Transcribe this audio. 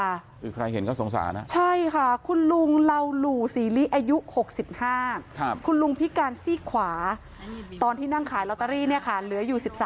อีกใครเห็นก็สงสารนะครับ